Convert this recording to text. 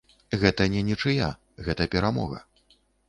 Гэта не нічыя, гэта перамога.